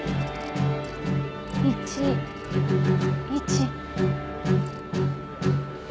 １１。